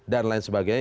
dan lain sebagainya